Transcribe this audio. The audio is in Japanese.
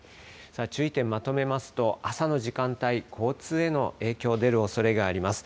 注意点まとめますと、朝の時間帯交通への影響が出るおそれがあります。